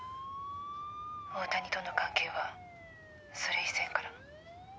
「大谷との関係はそれ以前から」